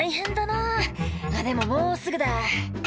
「あっでももうすぐだ」